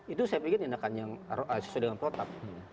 itu saya pikir yang sesuai dengan protap